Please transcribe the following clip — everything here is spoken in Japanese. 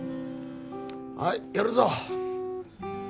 はいやるぞ！